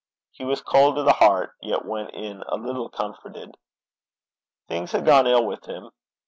He was cold to the heart, yet went in a little comforted. Things had gone ill with him.